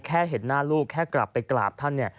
แค่เห็นหน้าลูกแค่กลับไปกราบท่าน